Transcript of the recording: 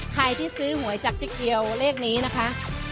ใครที่ซื้อหวยจากเจ๊เกียวเลขนี้นะคะ